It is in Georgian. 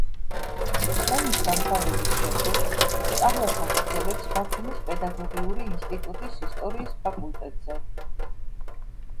ომის დამთავრების შემდეგ სწავლას აგრძელებს ბათუმის პედაგოგიური ინსტიტუტის ისტორიის ფაკულტეტზე.